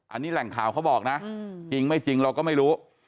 อันนี้แหล่งข่าวเขาบอกนะจริงไม่จริงเราก็ไม่รู้